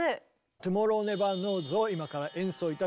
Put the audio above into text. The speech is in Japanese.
「トゥモロー・ネバー・ノウズ」を今から演奏いたします。